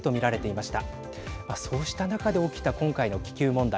まあ、そうした中で起きた今回の気球問題。